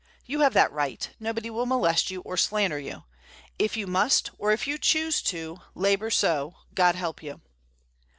You have that right; nobody will molest you or slander you. If you must, or if you choose to, labor so, God help you!